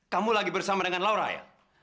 kamu lagi bersama dengan laura ya